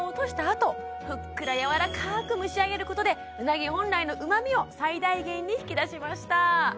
あとふっくらやわらかく蒸し上げることでうなぎ本来のうまみを最大限に引き出しました！